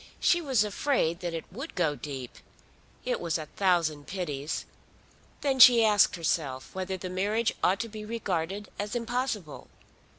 She was afraid that it would go deep. It was a thousand pities! Then she asked herself whether the marriage ought to be regarded as impossible.